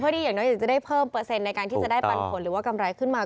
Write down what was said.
เพราะที่อยากจะได้เพิ่มเปอร์เซ็นต์ในการที่จะได้ปันผลหรือกำไรขึ้นมา